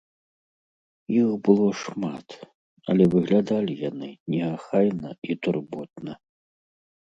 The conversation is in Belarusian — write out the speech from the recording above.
Іх было шмат, але выглядалі яны неахайна і турботна.